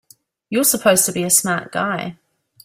You're supposed to be a smart guy!